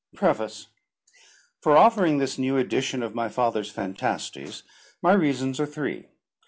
PREFACE For offering this new edition of my father's Phantastes, my reasons are three.